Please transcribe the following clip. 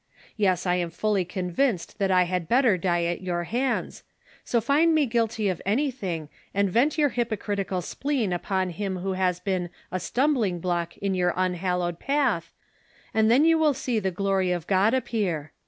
Yes, I am fully con vinced that I had better die at your hands ; so find me guilty of anything, and vent your hypocritical spleen upon him who has been a "stumbling block" in your unhal lowed path, and tlien you will see the glory of God appear.